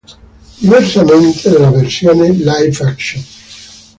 Diversamente dalla versione "live action".